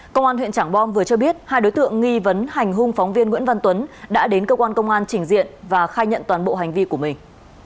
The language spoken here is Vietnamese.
công an huyện trảng bom vừa cho biết hai đối tượng nghi vấn hành hung phóng viên nguyễn văn tuấn đã đến cơ quan công an trình diện và khai nhận toàn bộ hành vi của mình